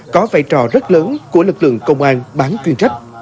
có vai trò rất lớn của lực lượng công an bán chuyên trách